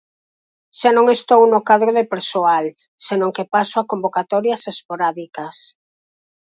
Xa non estou no cadro de persoal, senón que paso a convocatorias esporádicas.